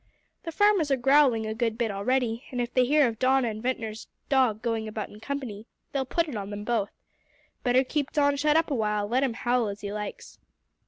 The farmers are growling a good bit already, and if they hear of Don and Ventnor's dog going about in company, they'll put it on them both. Better keep Don shut up awhile, let him howl as he likes."